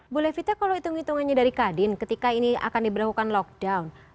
bu levita kalau hitung hitungannya dari kadin ketika ini akan diberlakukan lockdown